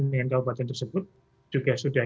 dengan kabupaten tersebut juga sudah